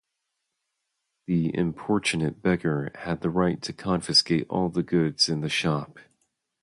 The importunate beggar had the right to confiscate all the goods in the shop.